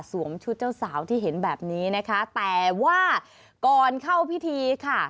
ชุดเจ้าสาวที่เห็นแบบนี้นะคะแต่ว่าก่อนเข้าพิธีค่ะ